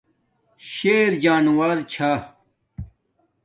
شیر جانورو چھا